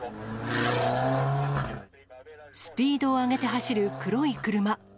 スピードを上げて走る黒い車。